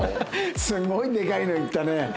すごいでかいのいったね。